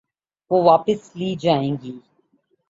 وہ واپس لی جائیں گی۔